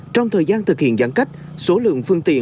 trong thời gian thực hiện giãn cách số lượng phương tiện